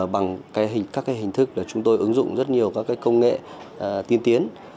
bằng các hình thức chúng tôi ứng dụng rất nhiều công nghệ tiên tiến